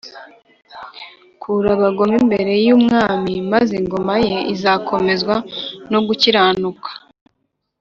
kura abagome imbere y’umwami, maze ingoma ye izakomezwa no gukiranuka